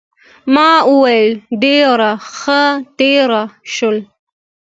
ما وویل ډېره ښه تېره شول.